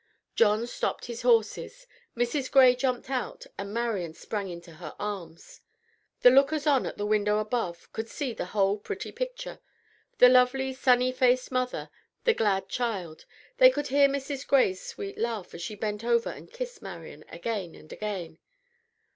John stopped his horses, Mrs. Gray jumped out, and Marian sprang into her arms. The lookers on at the window above could see the whole pretty picture, the lovely sunny faced mother, the glad child; they could hear Mrs. Gray's sweet laugh as she bent over and kissed Marian again and again.